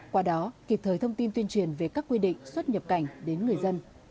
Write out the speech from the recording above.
qua đó kịp thời thông tin tuyên truyền về các quy định xuất nhập cảnh đến người dân